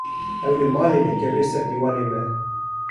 ez li malê ne kevirê ser dîwanê me